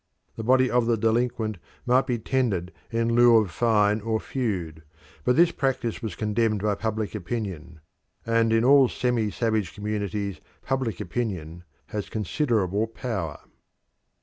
The body of the delinquent might be tendered in lieu of fine or feud, but this practice was condemned by public opinion, and in all semi savage communities public opinion has considerable power.